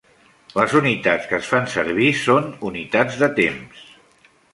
Les unitats que es fan servir són unitats de temps.